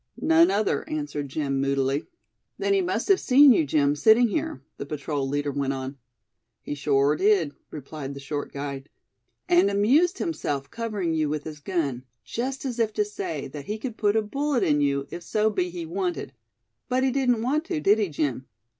"None other," answered Jim, moodily. "Then he must have seen you, Jim, sitting here?" the patrol leader went on. "He shore did," replied the short guide. "And amused himself covering you with his gun, just as if to say that he could put a bullet in you, if so be he wanted; but he didn't want to, did he Jim?